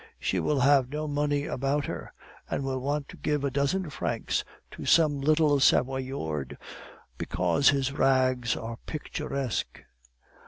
She will have no money about her, and will want to give a dozen francs to some little Savoyard because his rags are picturesque.